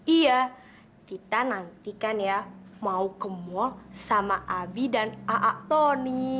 iya kita nanti kan ya mau ke mall sama abi dan aak tony